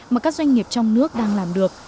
mà các doanh nghiệp trong nước đang làm được